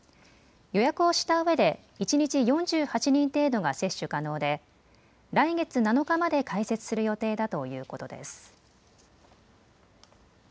予約をしたうえで一日４８人程度が接種可能で来月７日まで開設する予定だということです。